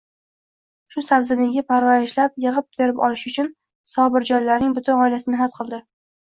Shu sabzini ekib, parvarishlab, yigʻib-terib olish uchun Sobirjonlarning butun oilasi mehnat qildi.